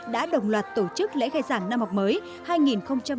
đã đồng loạt tổ chức lễ khai giảng năm học mới hai nghìn một mươi sáu hai nghìn một mươi bảy